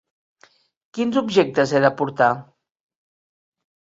Quins objectes he de portar?